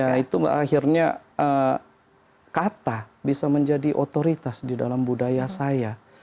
ya itu akhirnya kata bisa menjadi otoritas di dalam budaya saya